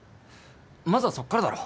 まずはそっからだろ